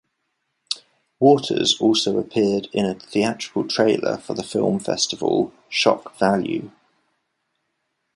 Waters also appeared in a theatrical trailer for the film festival Shock Value.